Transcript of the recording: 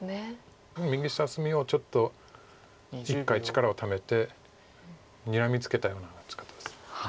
右下隅をちょっと一回力をためてにらみつけたような打ち方です。